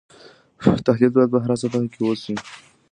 تحلیل باید په هره سطحه کې وسي.